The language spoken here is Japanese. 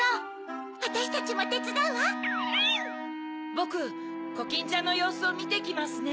ボクコキンちゃんのようすをみてきますね。